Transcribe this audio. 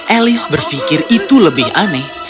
alice berfikir itu lebih aneh